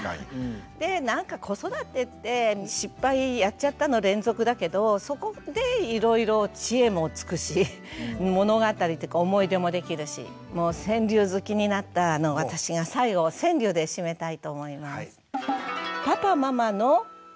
でなんか子育てって失敗やっちゃったの連続だけどそこでいろいろ知恵もつくし物語とか思い出もできるしもう川柳好きになった私が最後川柳で締めたいと思います。